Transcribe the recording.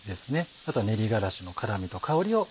あとは練り辛子の辛みと香りを。